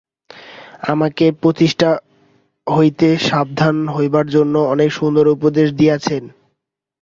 আমাকে প্রতিষ্ঠা হইতে সাবধান হইবার জন্য অনেক সুন্দর উপদেশ দিয়াছেন।